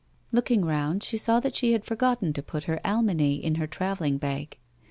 Looking round, she saw that she had forgotten to put her almanac in her travelling bag.